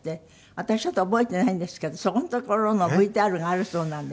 私ちょっと覚えていないんですけどそこのところのＶＴＲがあるそうなんで。